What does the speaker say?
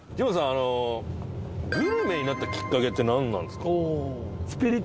あのグルメになったきっかけって何なんですか？